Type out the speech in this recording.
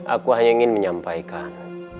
aku hanya ingin menyampaikan